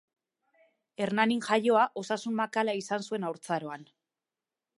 Hernanin jaioa, osasun makala izan zuen haurtzaroan.